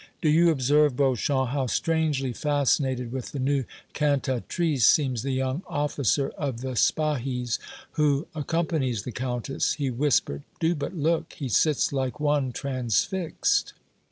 "Do you observe, Beauchamp, how strangely fascinated with the new cantatrice seems the young officer of the Spahis who accompanies the Countess?" he whispered. "Do but look. He sits like one transfixed."